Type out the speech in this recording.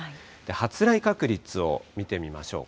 発雷確率を見てみましょう。